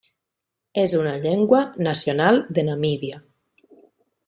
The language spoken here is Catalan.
És una llengua nacional de Namíbia.